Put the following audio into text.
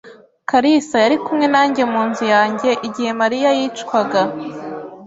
kalisa yari kumwe nanjye mu nzu yanjye igihe Mariya yicwaga.